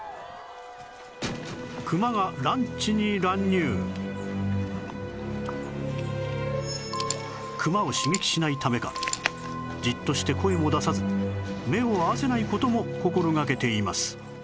クマがクマを刺激しないためかじっとして声も出さず目を合わせない事も心がけています